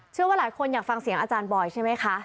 ว่าหลายคนอยากฟังเสียงอาจารย์บอยใช่ไหมคะ